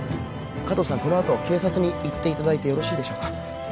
このあと警察に行っていただいてよろしいでしょうか？